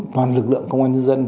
toàn lực lượng công an nhân dân